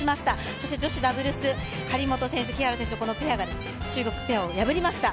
そして女子ダブルス張本選手、木原選手のペアが中国ペアを破りました